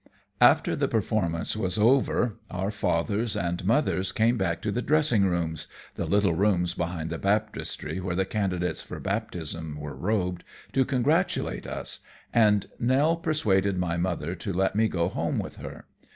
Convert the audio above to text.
After the performance was over, our fathers and mothers came back to the dressing rooms the little rooms behind the baptistry where the candidates for baptism were robed to congratulate us, and Nell persuaded my mother to let me go home with her.